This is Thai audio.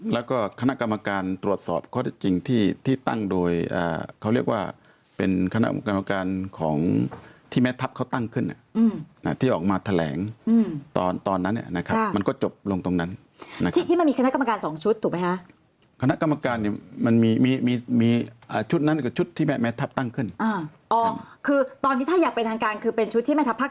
แล้วก็คณะกรรมการตรวจสอบข้อที่จริงที่ที่ตั้งโดยเขาเรียกว่าเป็นคณะกรรมการของที่แม่ทัพเขาตั้งขึ้นที่ออกมาแถลงตอนตอนนั้นเนี่ยนะครับมันก็จบลงตรงนั้นที่มันมีคณะกรรมการสองชุดถูกไหมฮะคณะกรรมการเนี่ยมันมีมีชุดนั้นกับชุดที่แม่แมททัพตั้งขึ้นคือตอนนี้ถ้าอย่างเป็นทางการคือเป็นชุดที่แม่ทัพ